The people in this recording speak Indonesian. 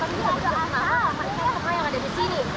tapi bisa berjumpa dengan makanan yang ada di sini